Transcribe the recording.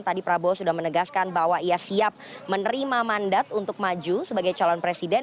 tadi prabowo sudah menegaskan bahwa ia siap menerima mandat untuk maju sebagai calon presiden